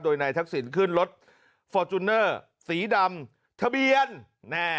โดยนายทักษิณขึ้นรถฟอร์จูเนอร์สีดำทะเบียนแน่